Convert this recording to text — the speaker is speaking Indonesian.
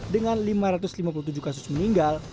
dengan lima ratus lima puluh tujuh kasus meninggal